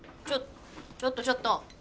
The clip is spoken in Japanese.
ちょちょっとちょっと。